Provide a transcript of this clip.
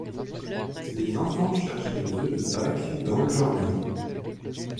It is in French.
Les enfants cherchent les œufs de Pâques dans le jardin.